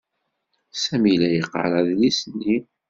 Sami la yeqqar adlis-nni.